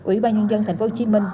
ủy ban nhân dân tp hcm